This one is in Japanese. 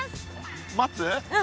待つ？